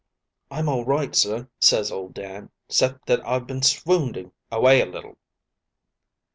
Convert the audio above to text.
"'I'm all right, sir,' ses old Dan, ''cept that I've been swoonding away a little.'